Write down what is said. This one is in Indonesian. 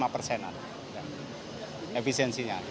lima persenan efisiensinya